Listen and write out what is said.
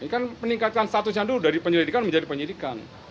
ini kan meningkatkan statusnya dulu dari penyelidikan menjadi penyelidikan